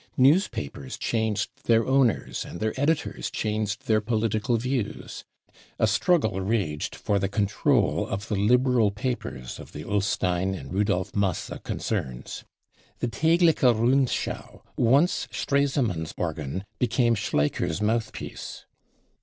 News papers changed their owners, and their editors changed their political views. A struggle raged for the control of the ^Liberal papers of the Ullstein and Rudolf Mq$se concerns. The Tdgliche Rundschau , once Stresemann's organ, became Schlqcher's mouthpiece.